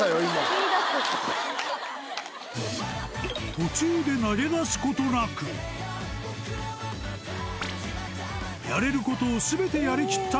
途中で投げ出すことなくやれることをすべてやりきった